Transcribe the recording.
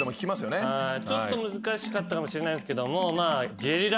ちょっと難しかったかもしれないですけども。